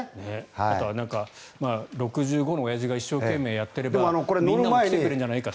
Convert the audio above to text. あとは６５歳のおやじが一生懸命やってくればみんなも来てくれるんじゃないかと。